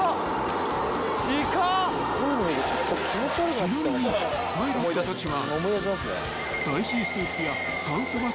［ちなみにパイロットたちは］